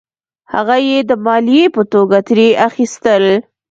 هغه یې د مالیې په توګه ترې اخیستل.